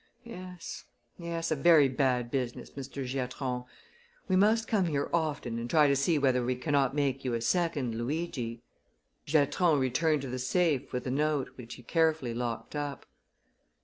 Yes, yes a very bad business, Mr. Giatron! We must come here often and try to see whether we cannot make you a second Luigi." Giatron returned to the safe with the note, which he carefully locked up.